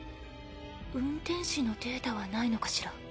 運転士のデータはないのかしら？